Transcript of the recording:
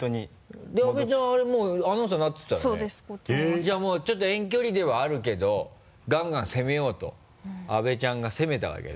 じゃあもう遠距離ではあるけどガンガン攻めようと阿部ちゃんが攻めたわけだ。